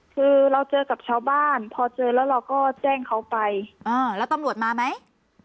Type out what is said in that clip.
คือเราเจอกับชาวบ้านพอเจอแล้วเราก็แจ้งเขาไปแล้วตำรวจมาไหม